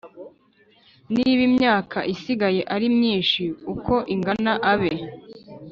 Niba imyaka isigaye ari myinshi uko ingana abe